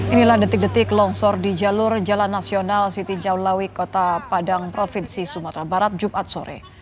inilah detik detik longsor di jalur jalan nasional siti jauhlawi kota padang provinsi sumatera barat jumat sore